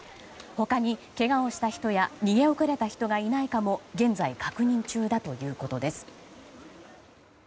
他にけがをした人や逃げ遅れた人がいないかも現在、確認中だということです。